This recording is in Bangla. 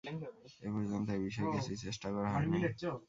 এ পর্যন্ত এ বিষয়ে কিছুই চেষ্টা করা হয় নাই।